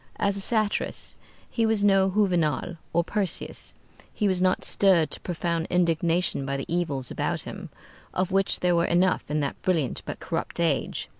As a satirist he was no Juvenal or Persius. He was not stirred to profound indignation by the evils about him, of which there were enough in that brilliant but corrupt age.